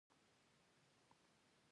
کورته بوتلم.